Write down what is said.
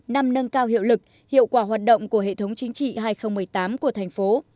năm nâng cao hiệu lực hiệu quả hoạt động của hệ thống chính trị hai nghìn một mươi tám của thành phố